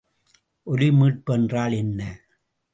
ஒலிமீட்பு என்றால் என்ன?